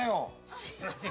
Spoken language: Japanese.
すいません